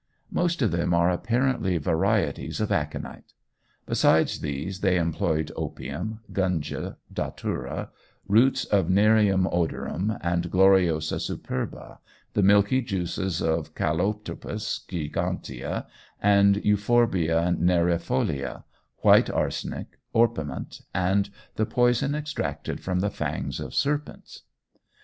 Most of them are apparently varieties of aconite. Besides these, they employed opium, gunja, datura, roots of Nerium odorum and Gloriosa superba, the milky juices of Calotropis gigantea and Euphorbia neriifolia, white arsenic, orpiment, and the poison extracted from the fangs of serpents.